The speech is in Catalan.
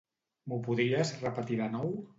M'ho podries repetir de nou?